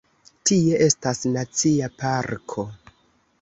Tie estas nacia parko.